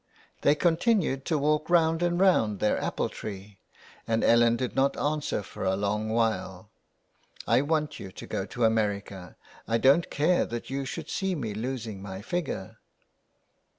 They continued to walk round and round their apple tree and Ellen did not answer for a long while. '' I want you to go to America, I don't care that you should see me losing my figure."